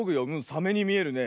サメにみえるね。